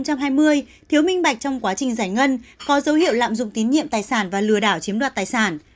thiếu minh bạch trong quá trình giải ngân có dấu hiệu lạm dụng tín nhiệm tài sản và lừa đảo chiếm đoạt tài sản